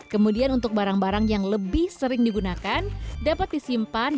kemudian untuk barang barang yang lebih sering digunakan dapat disimpan